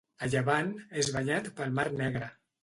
A llevant, és banyat pel mar Negre.